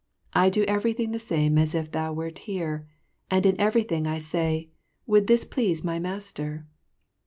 I do everything the same as if thou wert here, and in everything I say, "Would this please my master?"